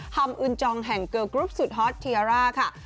ำอึนจองแห่งเกอร์กรุ๊ปสุดฮอตเทียร่าค่ะ